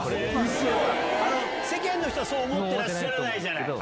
世間の人はそう思ってらっしゃらない。